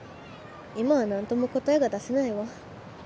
今は何とも答えが出せないわ